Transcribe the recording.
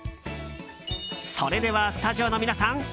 それではスタジオの皆さん